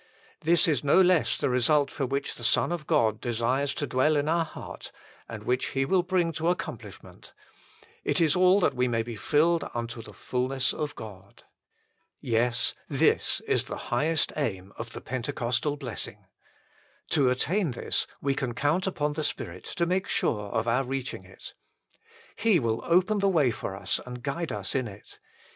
This is no less the result for which the Son of God desires to dwell in our heart, and which He will bring to accomplishment : it is all that we may be filled unto the fulness of God. Yes ; this is the highest aim of the Pentecostal 134 THE FULL BLESSING OF PENTECOST blessing. To attain this, we can count upon the Spirit to make sure of our reaching it. He will open the way for us and guide us in it.